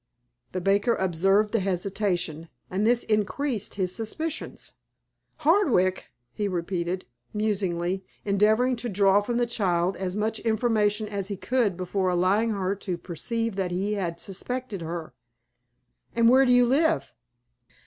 The baker observed the hesitation, and this increased his suspicions. "Hardwick!" he repeated, musingly, endeavoring to draw from the child as much information as he could before allowing her to perceive that he suspected her. "And where do you live?"